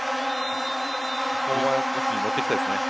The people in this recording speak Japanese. ここは一気にもっていきたいですね。